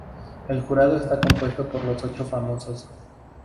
El jurado está compuesto por los ocho famosos.